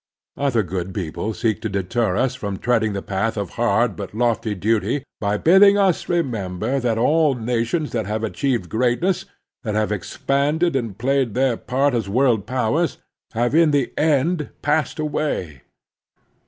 Other good people seek to deter us from treading the path of hard but lofty duty by bidding us remember that all nations that have achieved greatness, that have expanded and played their part as world powers, have in the end passed away.